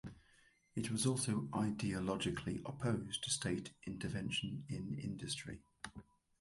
It was also ideologically opposed to state intervention in industry.